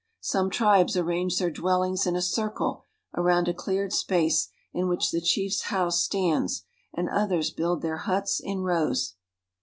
Some tribes arrange their dwellings in a circle around a cleared space in which the chief's house stands ; and others build their huts in rows.